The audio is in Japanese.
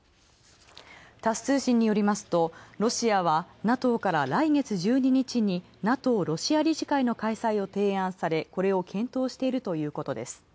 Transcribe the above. タス通信によりますとロシアはＮＡＴＯから来月１２日に、ＮＡＴＯロシア理事会で提案されこれを検討しているということです。